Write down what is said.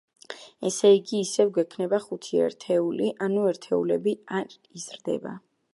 ესე იგი, ისევ გვექნება ხუთი ერთეული, ანუ ერთეულები არ იზრდება.